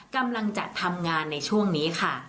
กำลังจะทำงานในช่วงนี้ค่ะ